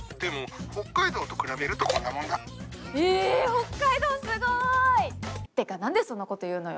北海道すごい！てか何でそんなこと言うのよ！